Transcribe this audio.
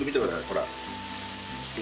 ほら。